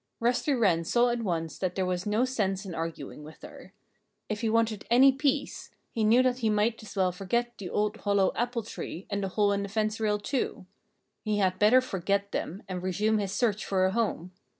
Rusty Wren saw at once that there was no sense in arguing with her. If he wanted any peace, he knew that he might as well forget the old hollow apple tree and the hole in the fence rail too. He had better forget them and resume his search for a home.